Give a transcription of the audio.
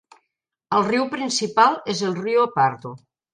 El riu principal és el Rio Pardo.